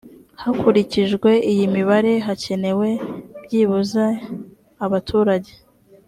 hakurikijwe iyi mibare hakenewe byibuze abaturage